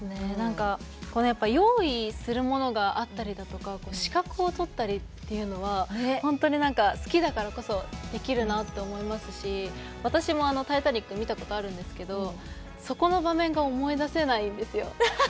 やっぱり用意するものがあったりだとか資格を取ったりというのは本当に好きだからこそできるなって思いますし私も「タイタニック」見たことあるんですけどそこの場面が思い出せないんですよ。